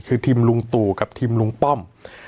คือทีมลุงตู่กับทีมลุงป้อม